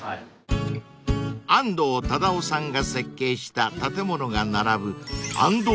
［安藤忠雄さんが設計した建物が並ぶ］